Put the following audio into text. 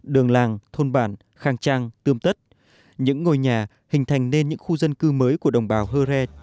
đường làng thôn bản khang trang tươm tất những ngôi nhà hình thành nên những khu dân cư mới của đồng bào hơ re